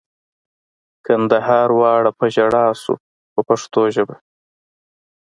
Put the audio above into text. کندهار واړه په ژړا شو په پښتو ژبه.